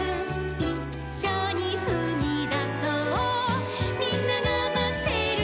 「『いっしょにふみだそうみんながまってるよ』」